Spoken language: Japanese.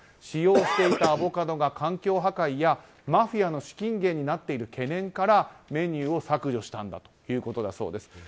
使用していたアボカドが環境破壊やマフィアの資金源になっている懸念からメニューを削除したんだということだそうです。